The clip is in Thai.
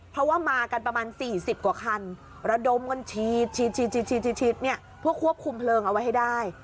เพราะว่ามากันประมาณ๔๐กว่าคันระดมกันฉีดเนี่ยเพื่อควบคุมเพลิงเอาไว้ให้ได้